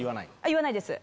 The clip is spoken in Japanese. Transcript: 言わないです。